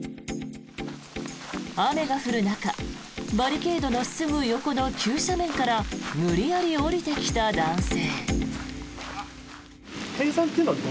雨が降る中バリケードのすぐ横の急斜面から無理やり下りてきた男性。